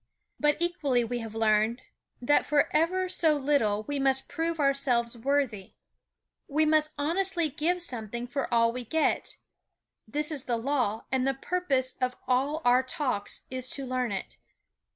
But equally we have learned, that for ever so little we must prove ourselves worthy. We must honestly give something for all we get. This is the law, and the purpose of all our Talks is to learn it.